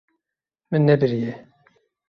Min nebiriye.